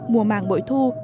mùa màng bội thu